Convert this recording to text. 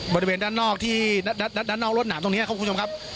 บริเวณด้านนอกที่ด้านนอกรถหนามตรงนี้ครับคุณผู้ชมครับ